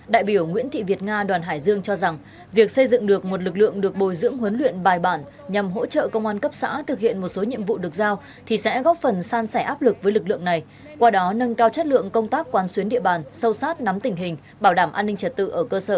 đại biểu nguyễn thị việt nga đoàn hải dương cho rằng việc xây dựng được một lực lượng được bồi dưỡng huấn luyện bài bản nhằm hỗ trợ công an cấp xã thực hiện một số nhiệm vụ được giao thì sẽ góp phần san sẻ áp lực với lực lượng này qua đó nâng cao chất lượng công tác quan xuyến địa bàn sâu sát nắm tình hình bảo đảm an ninh trật tự ở cơ sở